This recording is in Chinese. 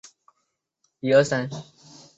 大蒙特利尔地区的朗格惠属于该地区。